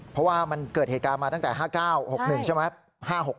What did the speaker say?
เพราะว่ามันเกิดเหตุการณ์มาตั้งแต่๕๙๖๑ใช่ไหม